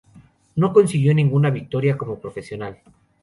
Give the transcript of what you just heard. No consiguió ninguna victoria como profesional